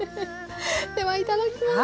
ではいただきます。